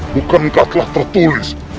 bukankah telah tertulis